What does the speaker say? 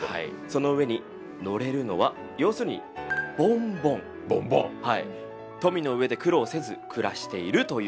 その上に乗れるのは要するに富の上で苦労せず暮らしているという様子を表してると。